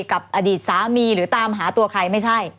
กับอดีตสามีหรือตามหาตัวใครไม่ใช่